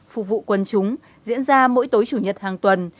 phục vụ quân chúng diễn ra mỗi tối chủ nhật hàng tuần